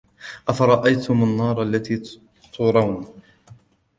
أَفَرَأَيْتُمُ النَّارَ الَّتِي تُورُونَ